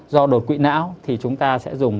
do đột quỵ não thì chúng ta sẽ dùng